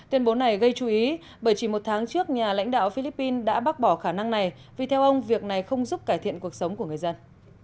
tuyên bố này gây chú ý bởi chỉ một tháng trước nhà lãnh đạo philippines đã bác bỏ khả năng này vì theo ông việc này không giúp cải thiện cuộc sống của người dân